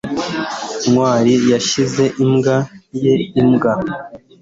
Ntwali yashyize imbwa ye imbwa.